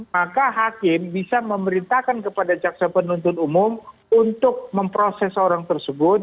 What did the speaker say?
maka hakim bisa memerintahkan kepada jaksa penuntut umum untuk memproses orang tersebut